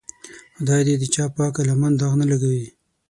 خدای دې د چا پاکه لمن داغ نه لګوي.